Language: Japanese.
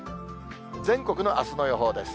全国のあすの予報です。